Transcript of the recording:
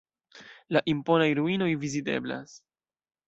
La imponaj ruinoj viziteblas.